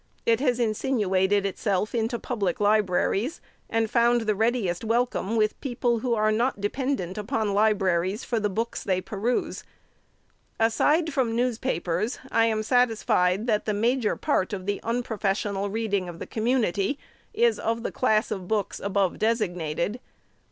It has insinuated itself into public libraries, and found the readiest welcome with people who arc not dependent upon libra ries for the books they peruse. Aside from newspapers, I am satisfied that the major part of the unprofessional reading of the community is of the class of books above designated.